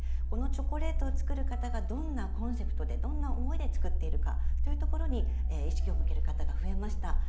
このチョコレートを作る方がどんなコンセプトでどんな思いで作っているのかというところに意識を向ける方が増えました。